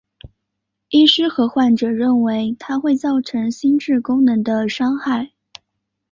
医师和患者认为它会造成心智功能的伤害。